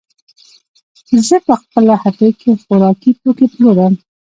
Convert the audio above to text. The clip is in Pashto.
زه په خپله هټۍ کې خوراکي توکې پلورم.